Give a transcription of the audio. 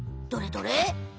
どれどれ？